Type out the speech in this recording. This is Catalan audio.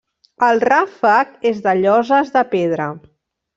El ràfec és de lloses de pedra.